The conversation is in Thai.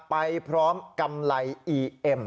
ไปพร้อมกำไรอีเอ็ม